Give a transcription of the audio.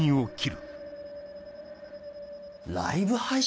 ライブ配信？